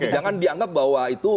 jangan dianggap bahwa itu